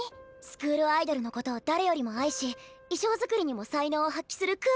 スクールアイドルのことを誰よりも愛し衣装作りにも才能を発揮する可可ちゃん。